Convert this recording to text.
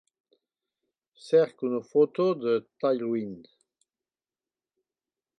Cerca una foto del Tailwind